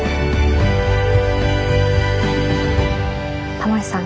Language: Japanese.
タモリさん